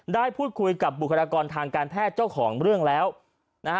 ได้พูดคุยกับบุคลากรทางการแพทย์เจ้าของเรื่องแล้วนะฮะ